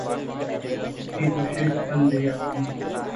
اس کی کوششیں پھل لے آئیں۔